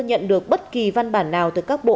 nhận được bất kỳ văn bản nào từ các bộ